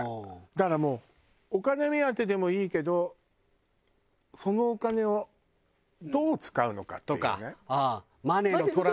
だからもうお金目当てでもいいけどそのお金をどう使うのかっていうね。